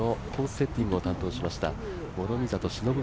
セッティングを担当しました諸見里しのぶ